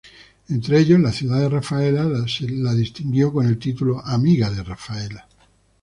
Entre ellos, la ciudad de Rafaela la distinguió con el título "Amiga de Rafaela".